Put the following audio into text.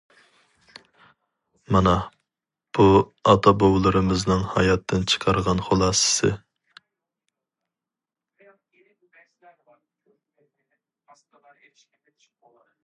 مانا بۇ ئاتا-بوۋىلىرىمىزنىڭ ھاياتتىن چىقارغان خۇلاسىسى.